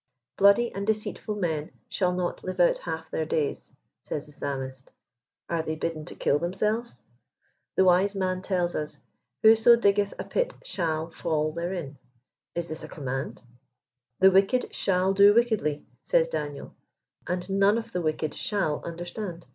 " Bloody and deceitful men shall not live out half their days," says the Psalmist. Are they bidden to kill themselves ? The wise man tells us, "Whoso diggeih a pit shall fall therein." Is this a command ?" The wicked shall do wickedly," says Daniel, " and none of the wicked shall understand."